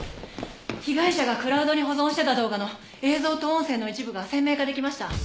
被害者がクラウドに保存してた動画の映像と音声の一部が鮮明化できました。